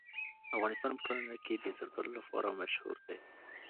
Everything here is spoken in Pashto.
افغانستان په ټوله نړۍ کې د زردالو لپاره مشهور دی.